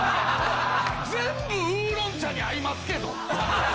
全部ウーロン茶に合いますけど？